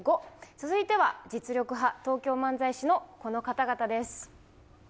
続いては、実力派東京漫才師のこの方々です。